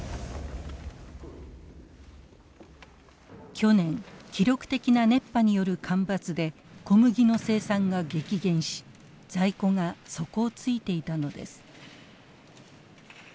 去年記録的な熱波による干ばつで小麦の生産が激減し在庫が底をついていたのです。